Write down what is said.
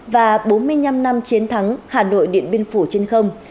và bốn mươi năm năm chiến thắng hà nội điện biên phủ trên không